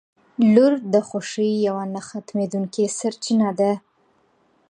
• لور د خوښۍ یوه نه ختمېدونکې سرچینه ده.